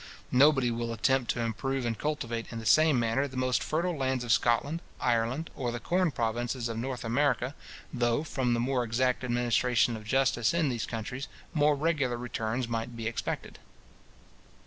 Nobody will attempt to improve and cultivate in the same manner the most fertile lands of Scotland, Ireland, or the corn provinces of North America, though, from the more exact administration of justice in these countries, more regular returns might be expected.